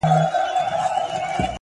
ه ولي په زاړه درد کي پایماله یې _